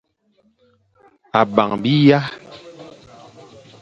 A bang biya.